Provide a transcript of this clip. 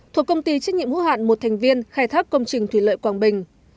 thuộc công ty trách nhiệm hữu hạn một thành viên khai thác công trình thủy lợi quảng bình